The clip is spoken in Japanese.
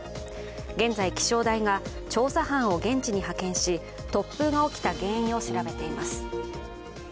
現在、気象台が調査班を現地に派遣し、突風が起きた原因を調べています。